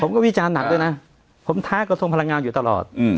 วิจารณ์หนักด้วยนะผมท้ากระทรงพลังงานอยู่ตลอด